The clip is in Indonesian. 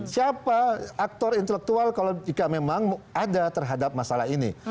siapa aktor intelektual kalau jika memang ada terhadap masalah ini